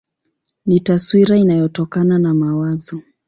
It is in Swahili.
Ni taswira inayotokana na mawazo.